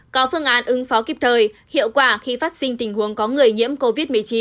có phương án ứng phó kịp thời hiệu quả khi phát sinh tình huống có người nhiễm covid một mươi chín